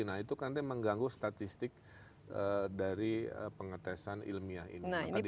nah itu nanti mengganggu statistik dari pengetesan ilmiah ini